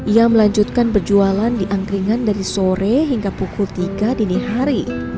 ia melanjutkan berjualan di angkringan dari sore hingga pukul tiga dini hari